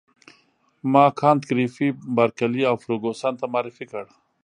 ما کانت ګریفي بارکلي او فرګوسن ته معرفي کړ.